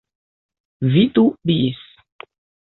Vidu bis.